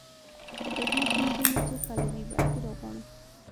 د بریښنا ستونزې مو څوک حلوی؟ برقي راغواړم